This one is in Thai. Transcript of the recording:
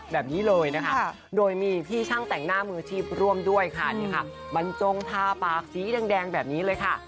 แบบนี้เลยนะคะโดยมีพี่ช่างแต่งหน้ามืออาชีพร่วมด้วยค่ะบรรจงทาปากสีแดงแบบนี้เลยค่ะ